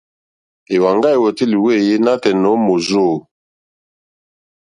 Èwàŋgá èwòtélì wéèyé nǎtɛ̀ɛ̀ nǒ mòrzô.